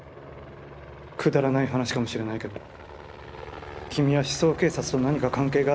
くだらない話かもしれないけど君は思想警察と何か関係があるんじゃないかと思ってたんだ。